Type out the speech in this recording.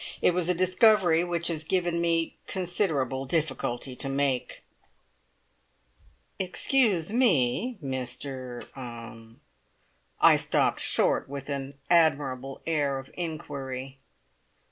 It was a discovery which has given me considerable difficulty to make." "Excuse me, Mr er " I stopped short with an admirable air of inquiry.